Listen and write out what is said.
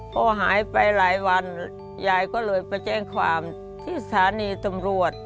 พอหายไปหลายวันยายก็เลยไปแจ้งความที่สถานีตำรวจ